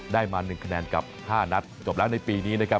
ได้มา๑คะแนนกับ๕นัดจบแล้วในปีนี้นะครับ